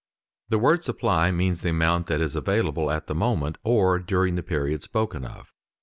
The word supply means the amount that is available at the moment or during the period spoken of.